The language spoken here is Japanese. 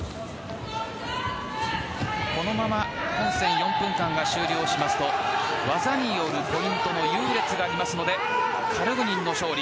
このまま本戦４分間が終了しますと技によるポイントの優劣がありますのでカルグニンの勝利。